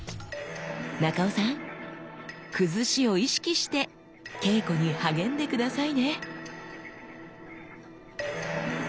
中尾さん「崩し」を意識して稽古に励んで下さいね！